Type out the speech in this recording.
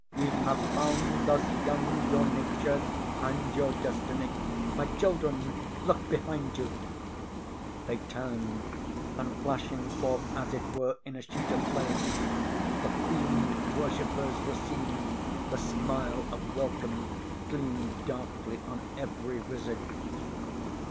Ye have found thus young your nature and your destiny. My children, look behind you!" They turned; and flashing forth, as it were, in a sheet of flame, the fiend worshippers were seen; the smile of welcome gleamed darkly on every visage.